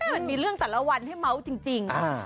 มันมีเรื่องแต่ละวันให้เมาส์จริง